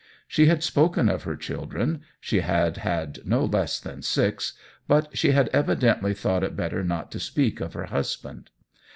She had spoken of her children — she had had no less than six — ^but she had evidently thought it better not to speak of her hus band.